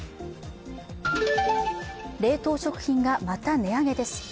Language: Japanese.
冷凍食品がまた値上げです。